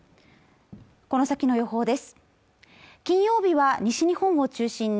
この先の予報です